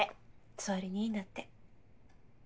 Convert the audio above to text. つわりにいいんだって。